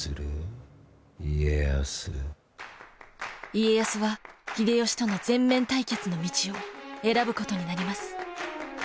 家康は秀吉との全面対決の道を選ぶことになります。